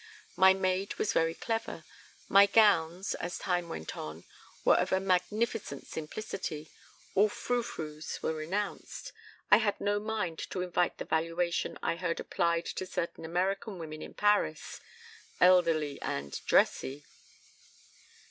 My maid was very clever. My gowns, as time went on, were of a magnificent simplicity; all frou frous were renounced. I had no mind to invite the valuation I heard applied to certain American women in Paris: 'elderly and dressy.'"